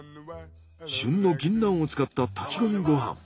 旬のギンナンを使った炊き込みご飯。